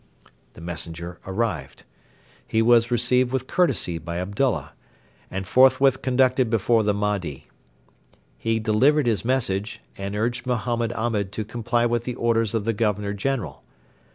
The messenger arrived. He was received with courtesy by Abdullah, and forthwith conducted before the Mahdi. He delivered his message, and urged Mohammed Ahmed to comply with the orders of the Governor General.